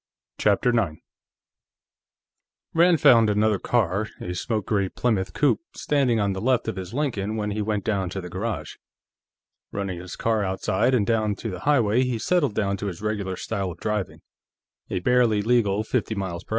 CHAPTER 9 Rand found another car, a smoke gray Plymouth coupé, standing on the left of his Lincoln when he went down to the garage. Running his car outside and down to the highway, he settled down to his regular style of driving a barely legal fifty m.p.h.